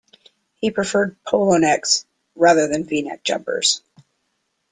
He preferred polo necks rather than V-neck jumpers